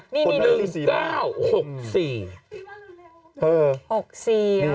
นี่ไงนี่มี๑๙๖๔